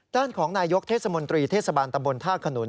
ด้านของนายกเทศมนตรีเทศบาลตำบลท่าขนุน